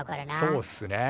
そうっすね。